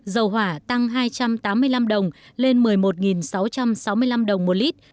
dầu hỏa tăng hai trăm tám mươi năm đồng lên một mươi một sáu trăm sáu mươi năm đồng một lít